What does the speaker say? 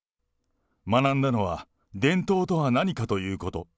学んだのは伝統とは何かということ。